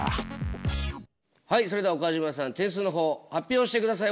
はいそれでは岡島さん点数の方発表してください。